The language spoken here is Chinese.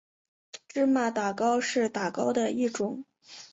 芝麻打糕是打糕的一种。